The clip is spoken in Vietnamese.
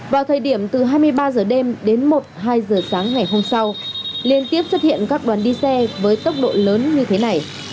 vào thời điểm từ hai mươi ba h đêm đến một hai h sáng ngày hôm sau liên tiếp xuất hiện các đoàn đi xe với tốc độ lớn như thế này